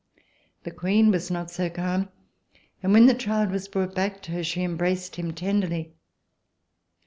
The Queen was not so calm, and when the child was brought back to her, she embraced him tenderly.